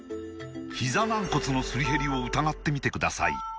ひざ軟骨のすり減りを疑ってみてください